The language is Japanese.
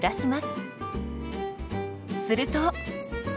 すると。